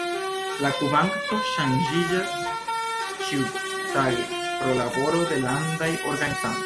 La kvanto ŝanĝiĝas ĉiutage pro la laboro de landaj organizantoj.